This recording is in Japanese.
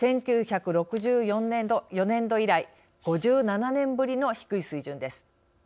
１９６４年度以来、５７年ぶりの低い水準です。